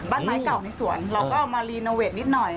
บ้านไม้เก่าในสวนเราก็เอามารีโนเวทนิดหน่อย